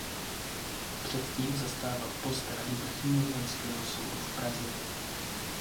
Předtím zastával post rady vrchního zemského soudu v Praze.